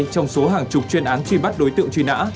trục chuyên án truy bắt đối tượng truy nã